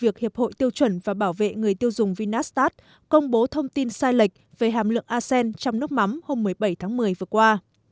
việc hiệp hội tiêu chuẩn và bảo vệ người tiêu dùng vinastat công bố thông tin sai lệch về hàm lượng acen trong nước mắm hôm một mươi bảy tháng một mươi vừa qua